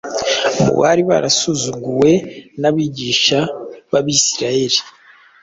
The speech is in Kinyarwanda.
mu bari barasuzuguwe n’abigisha b’Abisirayeli.